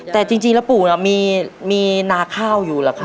แต่จริงแล้วปู่น่ะมีนาข้าวอยู่เหรอคะ